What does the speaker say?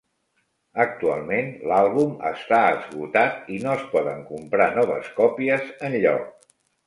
Actualment, l'àlbum està esgotat i no es poden comprar noves còpies enlloc.